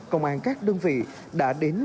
công an các đơn vị đã đến